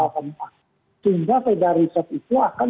sehingga feda riset itu akan